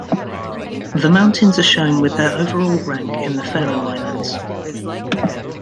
The mountains are shown with their overall rank in the Faroe Islands.